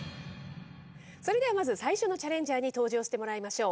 それではまず最初のチャレンジャーに登場してもらいましょう。